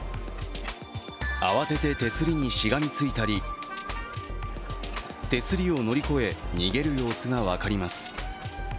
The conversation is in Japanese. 慌てて手すりにしがみついたり手すりを乗り越え逃げる様子が分かります。